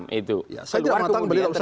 saya tidak mengatakan beliau itu offside